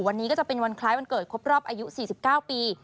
วันนี้ก็จะเป็นวันคล้ายวันเกิดครบรอบอายุ๔๙ปี